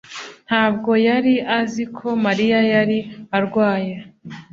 ntabwo yari azi ko Mariya yari arwaye.